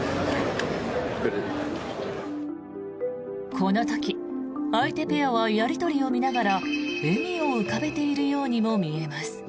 この時相手ペアはやり取りを見ながら笑みを浮かべているようにも見えます。